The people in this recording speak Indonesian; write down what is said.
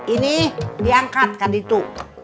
ini diangkat kan itu